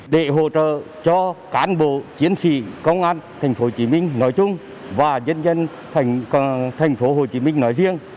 để hỗ trợ cho cán bộ chiến sĩ công an thành phố hồ chí minh nói chung và nhân dân thành phố hồ chí minh nói riêng